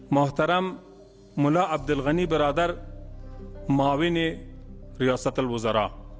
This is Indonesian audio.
mahteram mullah abdul ghani beradar mawini riyasatil wazara